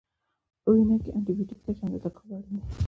په وینه کې د انټي بیوټیک کچه اندازه کول اړین دي.